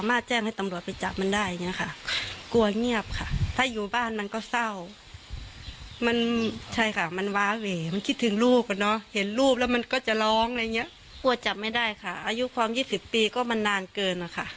ไม่ได้ค่ะอายุความ๒๐ปีก็มันนานเกินอะค่ะ